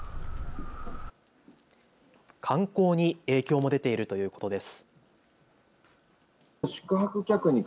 観光に影響も出ているということです。